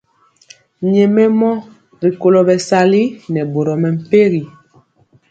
Nyɛmemɔ rikolo bɛsali nɛ boro mɛmpegi.